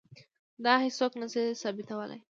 دا هیڅوک نه شي ثابتولی.